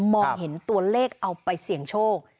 มองเห็นตัวเลขเอาไปเสี่ยงโชค